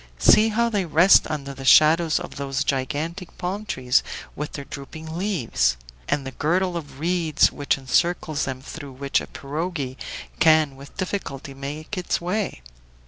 See how they rest under the shadows of those gigantic palm trees with their drooping leaves! And the girdle of reeds which encircles them through which a pirogue can with difficulty make its way!